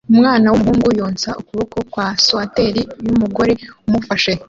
Umwana wumuhungu yonsa ukuboko kwa swater yumugore amufashe